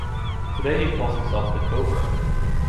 Today he calls himself "The Cobra".